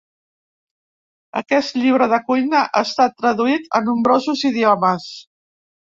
Aquest llibre de cuina ha estat traduït a nombrosos idiomes.